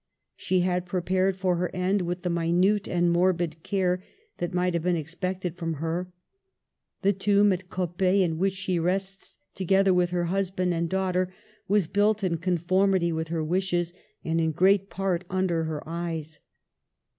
She had prepared for her end with the minute and morbid care that might have been expected from her. The tomb at Coppet in which fche rests, together with her husband and daughter, was built in conformity with her wishes, and in great part under her eyes.